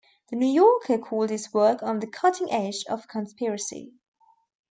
"The New Yorker" called his work "on the cutting edge" of conspiracy.